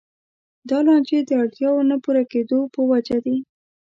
دا لانجې د اړتیاوو نه پوره کېدو په وجه دي.